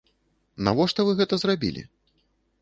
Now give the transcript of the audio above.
Навошта вы гэта зрабілі?!